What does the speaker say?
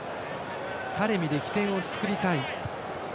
タレミで起点を作りたい。